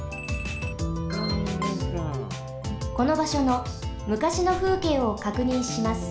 このばしょのむかしのふうけいをかくにんします。